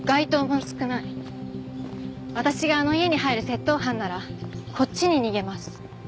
私があの家に入る窃盗犯ならこっちに逃げます。